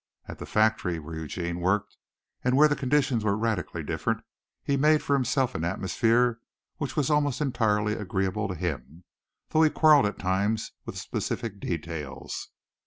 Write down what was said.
At the factory where Eugene worked and where the conditions were radically different, he made for himself an atmosphere which was almost entirely agreeable to him, though he quarreled at times with specific details.